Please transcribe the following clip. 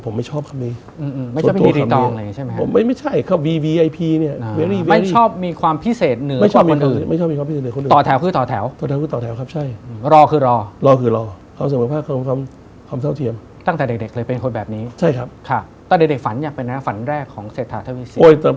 เป็นนักฟุตบอลอะไรอย่างนี้เหรอครับ